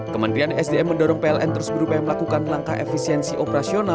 kementerian esdm mendorong pln terus berupaya melakukan langkah efisiensi